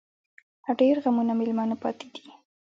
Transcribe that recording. لا ډيـر غمـــــونه مېلـــمانه پــاتې دي